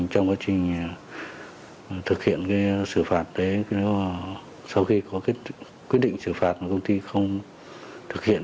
trong quá trình thực hiện xử phạt nếu sau khi có quyết định xử phạt mà công ty không thực hiện